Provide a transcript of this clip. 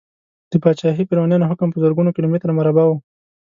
د پاچاهي فرعونیانو حکم په زرګونو کیلو متره مربع و.